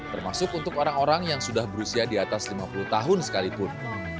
termasuk untuk orang orang yang sudah berusia di atas lima puluh tahun sekalipun